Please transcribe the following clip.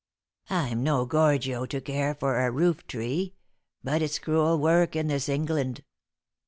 I'm no Gorgio to care for a roof tree; but it's cruel work in this England."